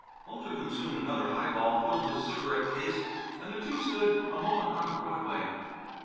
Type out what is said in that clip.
Bulger consumed another high ball, filled his cigarette case, and the two stood a moment on Broadway.